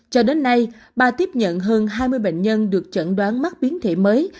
cho đến nay ba tiếp nhận hơn hai mươi bệnh nhân được chẩn đoán mắc biến thể mới